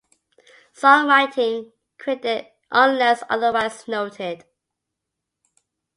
Songwriting credit unless otherwise noted.